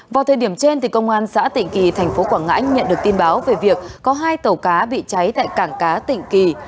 vào thời điểm trên công an xã tịnh kỳ tp quảng ngãi nhận được tin báo về việc có hai tàu cá bị cháy tại cảng cá tịnh kỳ